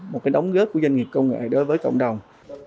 một cái đóng góp của doanh nghiệp công nghệ đối với cộng đồng